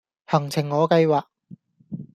行程我計劃